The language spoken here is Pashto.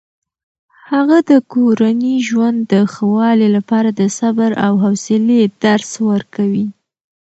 هغه د کورني ژوند د ښه والي لپاره د صبر او حوصلې درس ورکوي.